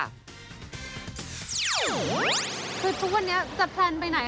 คือทุกวันนี้จะแพลนไปไหน